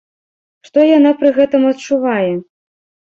Што яна пры гэтым адчувае?